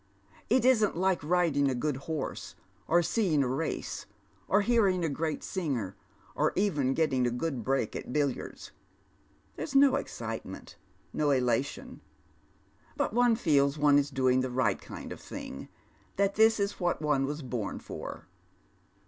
It isn't like riding a good horse, or seeing a race, or hearing a great singer, or even getting a good break at billiards. There's no excitement, no elation ; but one feels one is doing the right kind of thing, that this is what one was born for."